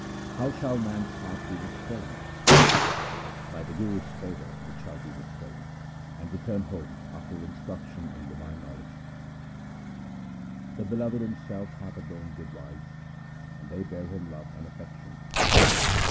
How shall man's heart be restrained ? By the Guru's favour it shall be restrained and return home after instruction in divine knowledge. The Beloved Himself hath adorned good wives, and they bear Him love and affection.